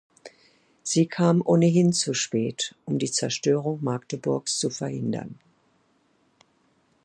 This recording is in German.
Sie kam ohnehin zu spät, um die Zerstörung Magdeburgs zu verhindern.